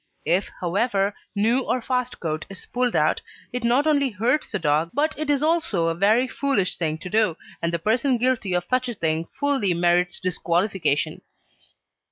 If, however, new or fast coat is pulled out it not only hurts the dog but it is also a very foolish thing to do, and the person guilty of such a thing fully merits disqualification.